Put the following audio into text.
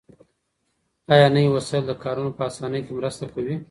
آیا نوي وسایل د کارونو په اسانۍ کې مرسته کوي؟